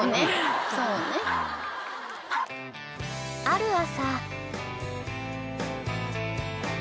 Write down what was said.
［ある朝］